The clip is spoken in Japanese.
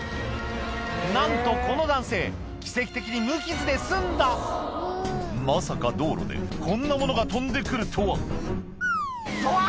なんとこの男性奇跡的に無傷で済んだまさか道路でこんなものが飛んで来るとはどわ！